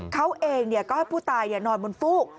เขาเองเนี่ยก็ให้ผู้ตายเนี่ยนอนบนฟุก